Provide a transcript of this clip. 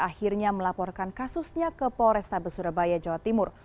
akhirnya melaporkan kasusnya ke polresta besurabaya jawa timur